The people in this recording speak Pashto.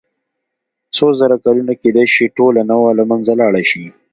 څو زره کلونه کېدای شي ټوله نوعه له منځه لاړه شي.